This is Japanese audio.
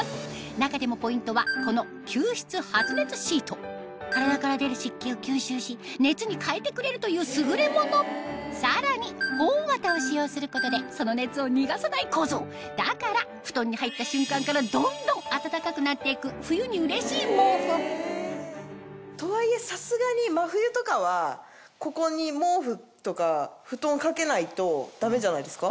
中でもポイントはこの吸湿発熱シート体から出る湿気を吸収し熱に変えてくれるという優れものさらに保温わたを使用することでその熱を逃がさない構造だから布団に入った瞬間からどんどん暖かくなって行く冬にうれしい毛布とはいえさすがに真冬とかはここに毛布とか布団を掛けないとダメじゃないですか？